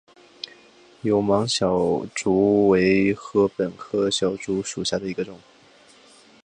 有芒筱竹为禾本科筱竹属下的一个种。